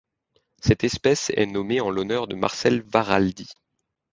Cette espèce est nommée en l'honneur de Marcel Varaldi.